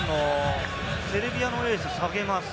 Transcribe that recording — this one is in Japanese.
セルビアのエースを下げます。